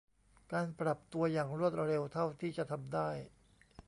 การปรับตัวอย่างรวดเร็วเท่าที่จะทำได้